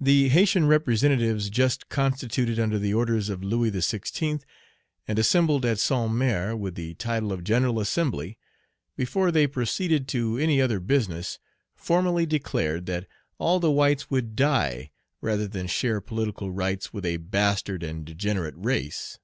The Haytian representatives, just constituted under the orders of Louis XVI., and assembled at Saint Mare, with the title of "General Assembly," before they proceeded to any other business, formally declared that all the whites would die rather than share political rights with "a bastard and degenerate race."